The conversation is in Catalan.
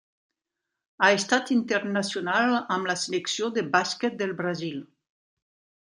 Ha estat internacional amb la selecció de bàsquet del Brasil.